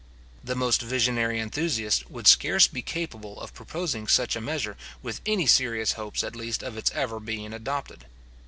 The most visionary enthusiasts would scarce be capable of proposing such a measure, with any serious hopes at least of its ever being adopted.